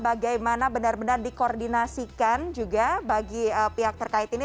bagaimana benar benar dikoordinasikan juga bagi pihak terkait ini